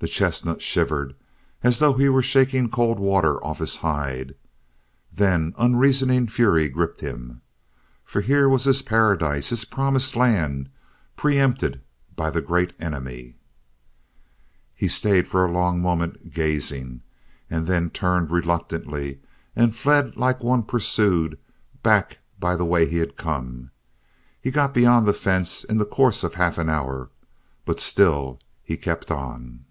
The chestnut shivered as though he were shaking cold water off his hide, and then unreasoning fury gripped him. For here was his paradise, his Promised Land, pre empted by the Great Enemy! He stayed for a long moment gazing, and then turned reluctantly and fled like one pursued back by the way he had come. He got beyond the fence in the course of half an hour, but still he kept on.